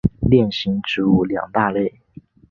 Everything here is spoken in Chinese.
链型植物两大类。